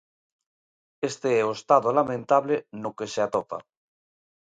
Este é o estado lamentable no que se atopa.